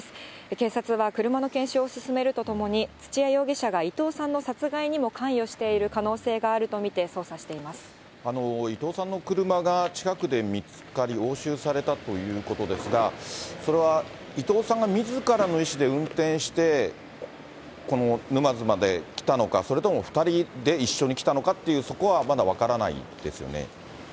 警察は車の検証を進めるとともに、土屋容疑者が伊藤さんの殺害にも関与している可能性があるとみて伊藤さんの車が近くで見つかり、押収されたということですが、それは伊藤さんがみずからの意思で運転して、この沼津まで来たのか、それとも２人で一緒に来たのかって、そこはまだ分からないですよ